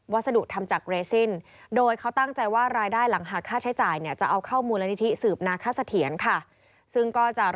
วัสดุทำจากเรซิน